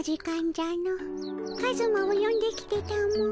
カズマをよんできてたも。